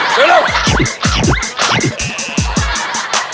กินเร็ว